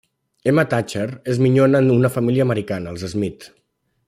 Emma Thatcher és minyona en una família americana, els Smith.